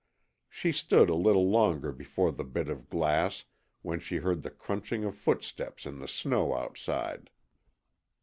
She stood a little longer before the bit of glass when she heard the crunching of footsteps in the snow outside.